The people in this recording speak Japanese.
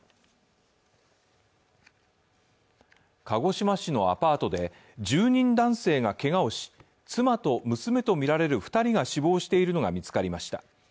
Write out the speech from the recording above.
鹿児島市のアパートで住人男性がけがをし、妻と娘とみられる２人が死亡しているのが見つかりました。